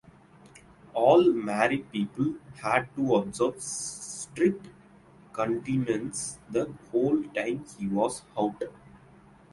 All married people had to observe strict continence the whole time he was out.